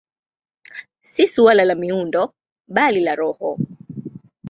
Si suala la miundo, bali la roho.